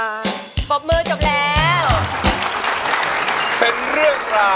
เพลงนี้อยู่ในอาราบัมชุดแจ็คเลยนะครับ